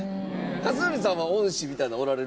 克典さんは恩師みたいなのはおられるんですか？